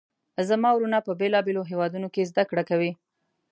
زما وروڼه په بیلابیلو هیوادونو کې زده کړه کوي